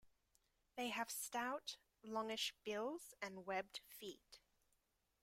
They have stout, longish bills and webbed feet.